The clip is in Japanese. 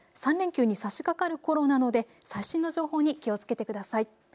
３連休にさしかかるころなので最新の情報に気をつけてください。